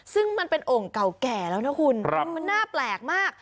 ซึ่งมันเป็นโอ่งเก่าแก่แล้วนะคุณมันน่าแปลกมาก